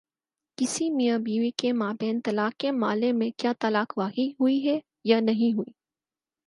کسی میاں بیوی کے مابین طلاق کے مألے میں کیا طلاق واقع ہوئی ہے یا نہیں ہوئی؟